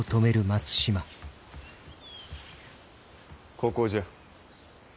ここじゃ。